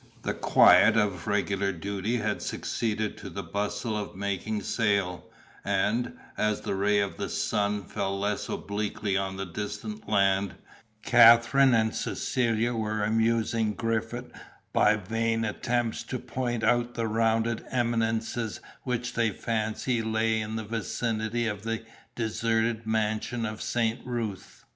The quiet of regular duty had succeeded to the bustle of making sail; and, as the rays of the sun fell less obliquely on the distant land, Katherine and Cecilia were amusing Griffith by vain attempts to point out the rounded eminences which they fancied lay in the vicinity of the deserted mansion of St. Ruth.